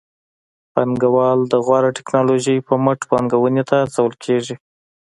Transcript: پانګوال د غوره ټکنالوژۍ پر مټ پانګونې ته هڅول کېږي.